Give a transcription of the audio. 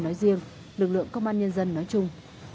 nói riêng lực lượng công an nhân dân nói chung